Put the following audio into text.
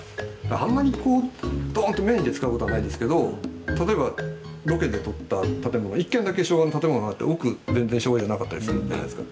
あんまり、どーんとメインで使うことはないですけど例えば、ロケで撮った建物１軒だけ昭和の建物があって奥、全然昭和じゃなかったりするってあるじゃないですか。